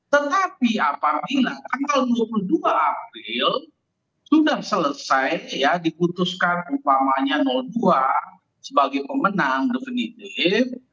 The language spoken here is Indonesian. tetapi apabila tanggal dua puluh dua april sudah selesai ya diputuskan umpamanya dua sebagai pemenang definitif